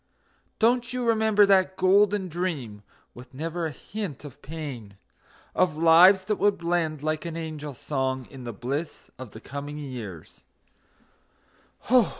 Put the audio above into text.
Don't you remember that golden dream, with never a hint of pain, Of lives that would blend like an angel song in the bliss of the coming years?